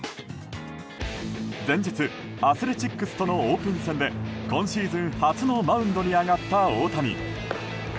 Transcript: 前日、アスレチックスとのオープン戦で今シーズン初のマウンドに上がった大谷。